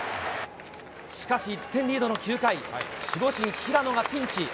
しかし１点リードの９回、守護神、平野がピンチ。